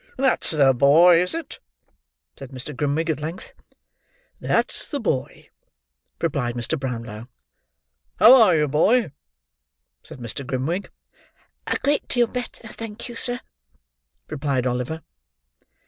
"That's the boy, is it?" said Mr. Grimwig, at length. "That's the boy," replied Mr. Brownlow. "How are you, boy?" said Mr. Grimwig. "A great deal better, thank you, sir," replied Oliver.